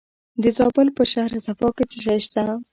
د زابل په شهر صفا کې څه شی شته؟